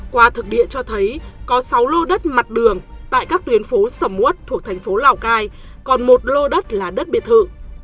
qua thực địa cho thấy có sáu lô đất mặt đường tại các tuyến phố sầm mút thuộc thành phố lào cai còn một lô đất là đất biệt thự